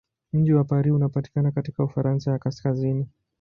Mji wa Paris unapatikana katika Ufaransa ya kaskazini.